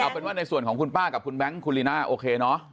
เอาเป็นว่าในส่วนของคุณป้ากับคุณแบงค์คุณลีน่าโอเคเนอะ